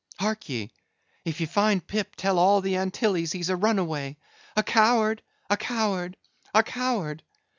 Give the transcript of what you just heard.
Hark ye; if ye find Pip, tell all the Antilles he's a runaway; a coward, a coward, a coward!